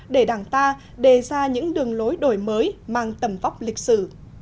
để đảng ta đề ra những đường lối đổi mới mang tầm vóc lịch sử